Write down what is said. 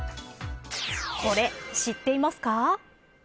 これ、知っていますか。